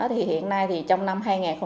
hiện nay trong năm hai nghìn một mươi chín